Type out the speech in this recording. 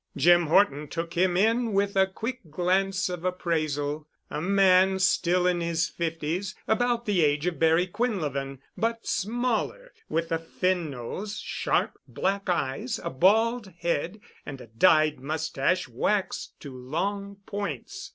Jim Horton took him in with a quick glance of appraisal—a man still in his fifties, about the age of Barry Quinlevin, but smaller, with a thin nose, sharp, black eyes, a bald head, and a dyed mustache waxed to long points.